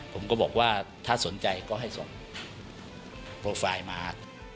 ผมก็บอกว่าถ้าสนใจก็ให้ส่งโปรไฟล์มา